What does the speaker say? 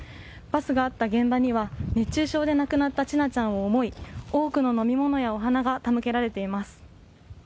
バスがあった現場には熱中症で亡くなった千奈ちゃんを思い、多くの飲み物やお花が手向けられています。